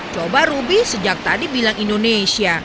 coba ruby sejak tadi bilang indonesia